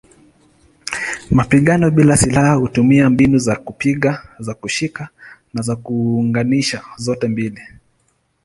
Mapigano bila silaha hutumia mbinu za kupiga, za kushika na za kuunganisha zote mbili.